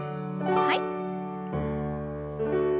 はい。